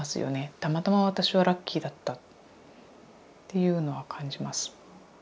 たまたま私はラッキーだったっていうのは感じます。